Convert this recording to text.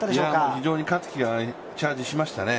非常に勝つ気がチャージしましたね。